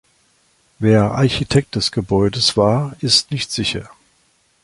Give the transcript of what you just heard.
Wer Architekt des Gebäudes war, ist nicht sicher.